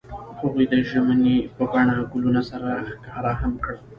هغوی د ژمنې په بڼه ګلونه سره ښکاره هم کړه.